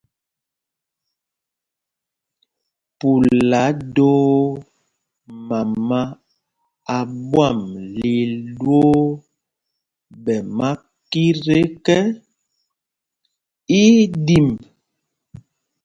Pula doo mama a ɓwam lil ɗwoo ɓɛ makit ekɛ, í í ɗimb.